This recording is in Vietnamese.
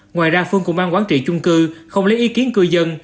ngoài ra phương công an quản trị chung cư không lấy ý kiến cư dân